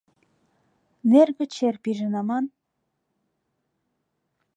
Нерге чер пижын аман.